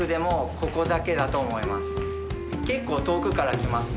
結構遠くから来ますね。